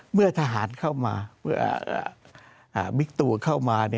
เมื่อทหารเข้ามาเมื่อบิ๊กตูเข้ามา